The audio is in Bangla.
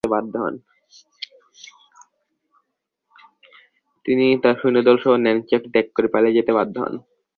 তিনি তার সৈন্যদল সহ নানচ্যাং ত্যাগ করে পালিয়ে যেতে বাধ্য হন।